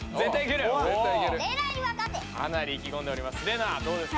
かなりいきごんでおります。